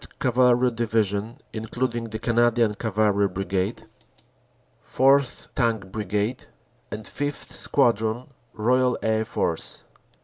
Cavalry Division (including the Canadian Cavalry Brigade) ; 4th. Tank Brigade; and 5th. Squadron, Royal Air Force.